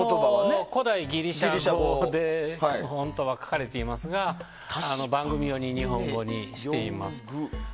古代ギリシャ語で本当は書かれていますが番組用に日本語にしています。